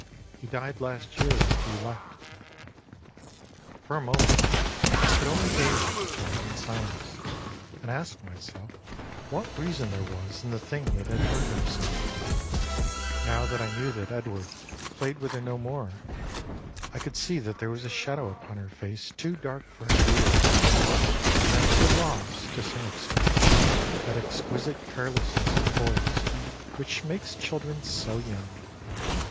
" He died last year, after you left." For a moment I could only gaze at the child in silence, and ask myself what reason there was in the thing that had hurt her so. 108 THE PASSING OF EDWARD 109 Now that I knew that Edward played with her no more, I could see that there was a shadow upon her face too dark for her years, and that she had lost, to some extent, that exquisite carelessness of poise which makes children so young.